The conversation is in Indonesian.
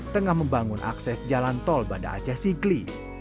tengah membangun akses jalan tol banda aceh sigli